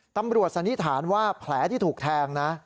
ตำรวจสันนิษฐานว่าแผลที่ถูกแทง